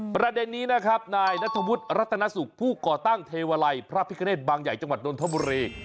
ประเด็นนี้นะครับนายนัทวุฒิรัตนสุขผู้ก่อตั้งเทวาลัยพระพิกเนธบางใหญ่จังหวัดนทบุรี